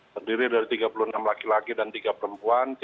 terdiri dari tiga puluh enam laki laki dan tiga perempuan